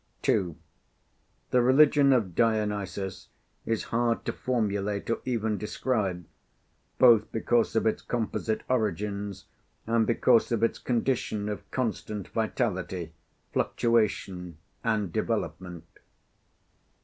2. The Religion of Dionysus is hard to formulate or even describe, both because of its composite origins and because of its condition of constant vitality, fluctuation, and development.